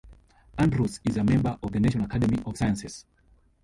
Andrews is a member of the National Academy of Sciences.